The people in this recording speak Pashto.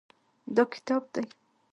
دا کتاب دی.